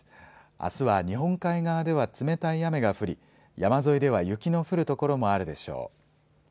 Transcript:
あすは日本海側では冷たい雨が降り、山沿いでは雪の降る所もあるでしょう。